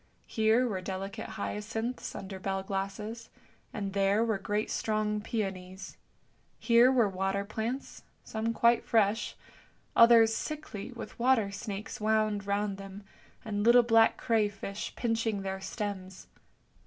Here were delicate hyacinths under bell glasses, and there were great strong peonies; here were water plants, some quite fresh, others sickly with water snakes wound round them, and little black cray fish pinching their stems.